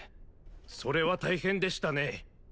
それは大変でしたね